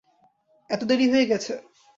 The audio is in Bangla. এত দেরী হয়ে গেছে?